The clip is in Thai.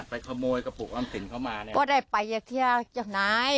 ไปขโมยกระปุกอำสินเข้ามาโป๊ดไทยไปเยอะเที่ยวจากไหน